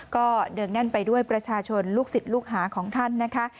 ก็เนื่องแน่นไปด้วยประชาชนลูกศิษย์ลูกหาของท่านนะคะ